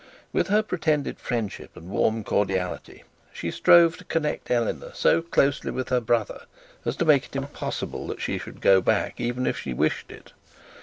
With her pretended friendship and warm cordiality, she strove to connect Eleanor so closely with her brother as to make it impossible that she should go back even if she wished it.